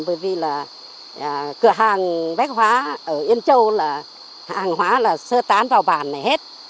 bởi vì là cửa hàng bách hóa ở yên châu là hàng hóa là sơ tán vào bản này hết